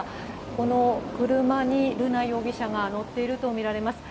この車に瑠奈容疑者が乗っていると見られます。